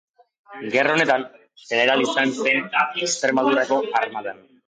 Gerra honetan, jeneral izan zen Extremadurako armadan.